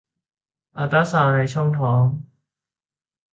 อัลตราซาวด์ในช่องท้อง